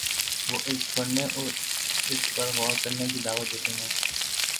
وہ اسے پڑھنے اور اس پر غور کرنے کی دعوت دیتے ہیں۔